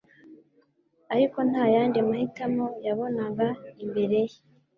Ariko nta yandi mahitamo yabonaga imbere ye.